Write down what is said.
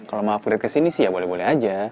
kalau mau upgrade ke sini sih ya boleh boleh aja